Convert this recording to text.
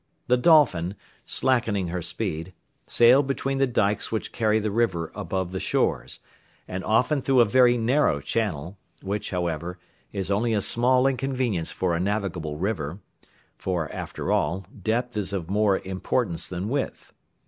The Dolphin, slackening her speed, sailed between the dykes which carry the river above the shores, and often through a very narrow channel, which, however, is only a small inconvenience for a navigable river, for, after all, depth is of more importance than width.